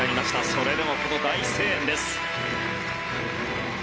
それでも大声援です。